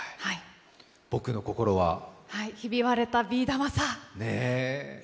「ぼくの心はひび割れたビー玉さ」